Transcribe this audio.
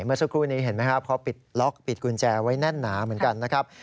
เมื่อสักครู่นี้เห็นไหมครับเขาปิดล็อกปิดกุญแจไว้แน่นหนาเหมือนกันนะครับ